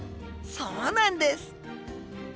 そうなんです！